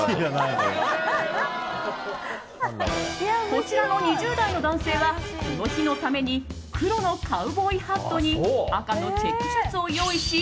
こちらの２０代の男性はこの日のために黒のカウボーイハットに赤のチェックシャツを用意し